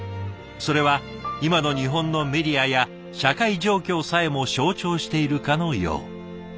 それは今の日本のメディアや社会状況さえも象徴しているかのよう。